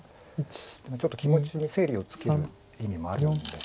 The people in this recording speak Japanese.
ちょっと気持ちに整理をつける意味もあるんです。